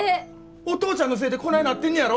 お父ちゃんのせえでこないなってんねやろ？